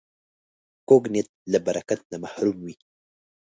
کوږ نیت له برکت نه محروم وي